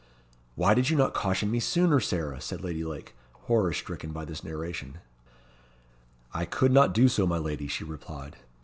"Why did you not caution me sooner, Sarah?" said Lady Lake, horror stricken by this narration. "I could not do so, my lady," she replied.